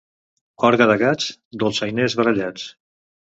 Orgue de gats, dolçainers barallats.